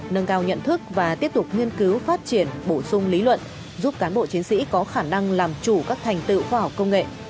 nâng cao nhận thức và tiếp tục nghiên cứu phát triển bổ sung lý luận giúp cán bộ chiến sĩ có khả năng làm chủ các thành tựu khoa học công nghệ